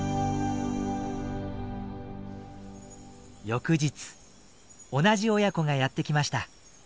翌日同じ親子がやってきました。